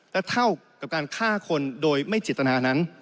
และเท่ากับการฆ่าคนโดยไม่เจตนานั้น